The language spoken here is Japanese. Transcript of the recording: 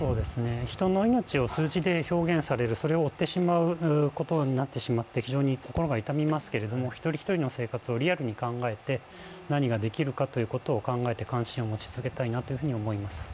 人の命を数字で表現される、それを追ってしまうことになってしまって非常に心が痛みますけれども一人一人の生活をリアルに考えて、何ができるかということを考えて関心を持ち続けたいと思います。